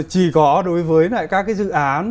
chỉ có đối với các cái dự án